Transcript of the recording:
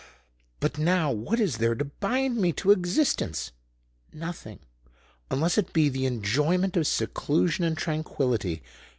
But now—what is there to bind me to existence? Nothing—unless it be the enjoyment of seclusion and tranquillity.